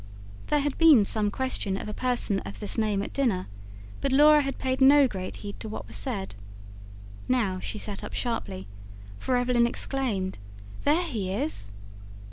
There had been some question of a person of this name at dinner; but Laura had paid no great heed to what was said. Now, she sat up sharply, for Evelyn exclaimed: "There he is!"